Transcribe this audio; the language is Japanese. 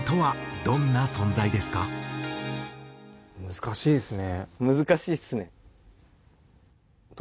難しいですね。